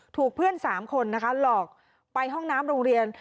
ถูกเพื่อน๓คนนะคะหลอกไปห้องน้ำโรงเรียน